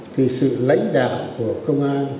thì sự lãnh đạo của công an